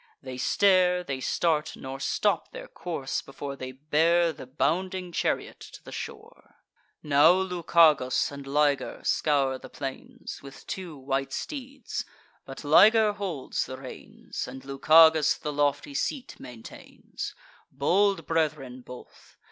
They stare, they start, nor stop their course, before They bear the bounding chariot to the shore. Now Lucagus and Liger scour the plains, With two white steeds; but Liger holds the reins, And Lucagus the lofty seat maintains: Bold brethren both.